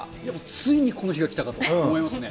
ついにこの日が来たかと思いますね。